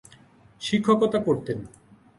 শিক্ষকতা করতেন।